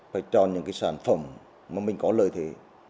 phải chọn những cái sản phẩm mà mình có lợi thế